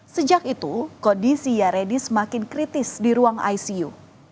sejak itu kondisi yaredi semakin kritis di ruang icu